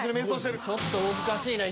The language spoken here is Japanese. ちょっと難しいな。